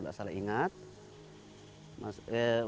untuk mengairi sawah memang kurang